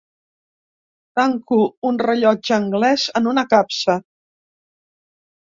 Tanco un rellotge anglès en una capsa.